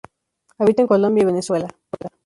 Habita en Colombia y Venezuela.